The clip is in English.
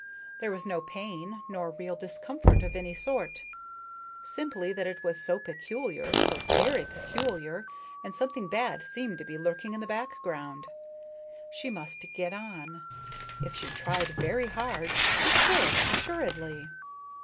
There was no pain nor real discomfort of any sort. Simply that it was so peculiar, so very peculiar, and something bad seemed to be lurking in the background. She must get on. If she tried very hard, she could, assuredly.